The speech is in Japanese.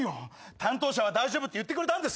担当者は大丈夫って言ってくれたんです。